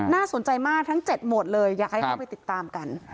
น่าสนใจมากทั้ง๗หมวดเลยอยากให้เข้าไปติดตามกัน